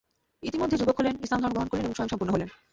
ইতিমধ্যে যুবক হলেন, ইসলাম ধর্ম গ্রহণ করলেন এবং স্বয়ংসম্পূর্ণ হলেন।